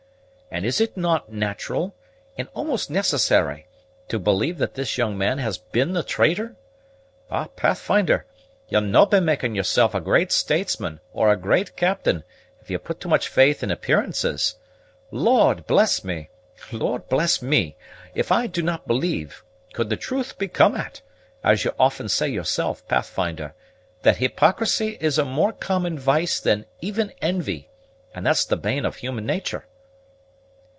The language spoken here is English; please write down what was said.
And is it not natural, and almost necessary, to believe that this young man has been the traitor? Ah, Pathfinder! Ye'll no' be making yourself a great statesman or a great captain if you put too much faith in appearances. Lord bless me! Lord bless me! If I do not believe, could the truth be come at, as you often say yourself, Pathfinder, that hypocrisy is a more common vice than even envy, and that's the bane of human nature."